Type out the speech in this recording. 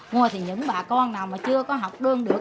mua thì những bà con nào mà chưa có học đơn được